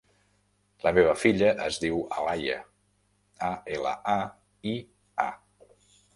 La meva filla es diu Alaia: a, ela, a, i, a.